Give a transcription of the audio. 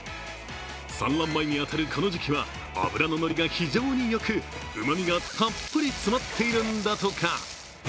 産卵前に当たるこの時期は脂の乗りが非常によくうまみがたっぷり詰まっているんだとか。